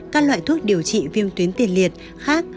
các loại thuốc điều trị viêm tuyến tiền liệt khác